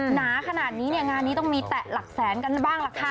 หนาขนาดนี้เนี่ยงานนี้ต้องมีแตะหลักแสนกันบ้างล่ะค่ะ